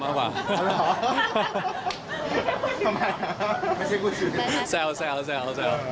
เอาแล้วหรอทำไมไม่ใช่กูสิแซว